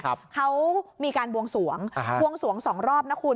เขามีการบวงสวงอ่าบวงสวงสองรอบนะคุณ